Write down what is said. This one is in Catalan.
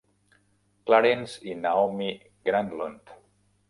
Clarence i Naomi Granlund.